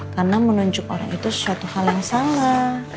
karena menunjuk orang itu sesuatu hal yang salah